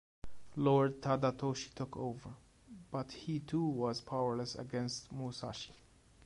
Lord Tadatoshi took over, but he too was powerless against Musashi.